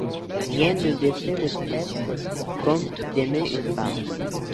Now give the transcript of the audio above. Rien ne défait le prêtre comme d’aimer une femme.